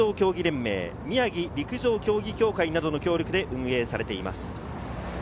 この大会は東北学生陸上競技連盟、宮城陸上競技協会などの協力で運営されています。